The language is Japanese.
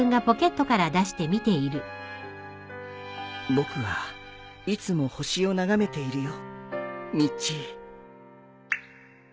僕はいつも星を眺めているよミッチー